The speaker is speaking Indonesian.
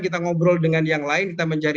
kita ngobrol dengan yang lain kita menjadi